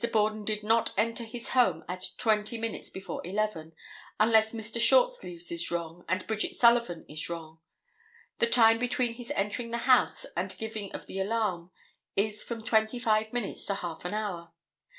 Borden did not enter his home at twenty minutes before 11 unless Mr. Shortsleeves is wrong and Bridget Sullivan is wrong. The time between his entering the house and the giving of the alarm is from twenty five minutes to half an hour.